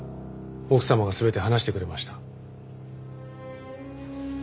奥様が全て話してくれました。